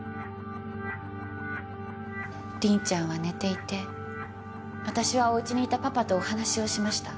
凛ちゃんは寝ていて私はお家にいたパパとお話しをしました。